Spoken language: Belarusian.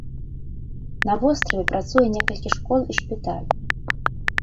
На востраве працуе некалькі школ і шпіталь.